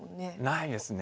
ないですね。